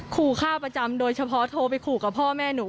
ขู่ฆ่าประจำโดยเฉพาะโทรไปขู่กับพ่อแม่หนู